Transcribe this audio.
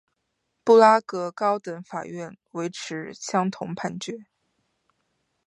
布拉格高等法院维持相同判决。